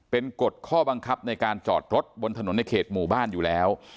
เป็นกฎข้อบังคับในการจอดรถบนถนนในเขตหมู่บ้านอยู่แล้ว